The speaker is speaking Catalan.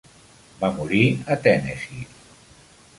Va morir a Tennessee.